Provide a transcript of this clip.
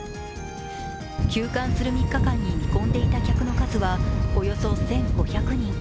休館する３日間に見込んでいた客の数はおよそ１５００人。